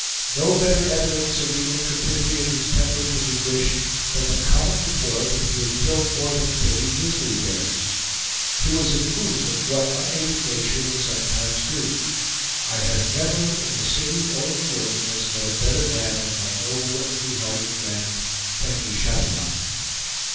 No better evidence of the intrepidity of his temper could be wished than the common report that he had killed more than thirty grizzly bears. He was a proof of what unaided nature will sometimes do. I have never, in the city or in the wilderness, met a better man than my noble and true hearted friend, Henry Chatillon.